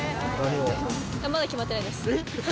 まだ決まってないです。